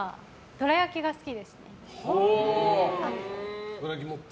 どら焼き持って。